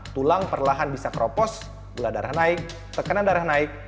tulang perlahan bisa keropos gula darah naik tekanan darah naik